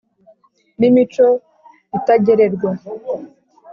N ' imico itagererwa,